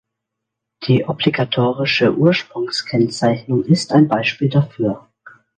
Die obligatorische Ursprungskennzeichnung ist ein Beispiel dafür.